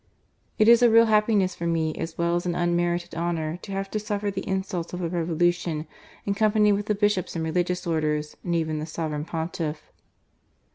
It is a real happiness for me as well as an unmerited honour to have to suffer the insults of the Revolution in company with the Bishops and Religious Orders, and even with the Sovereign Pontiff."